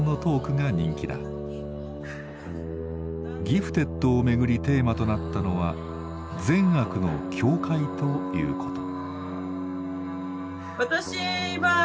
「ギフテッド」をめぐりテーマとなったのは「善悪の境界」ということ。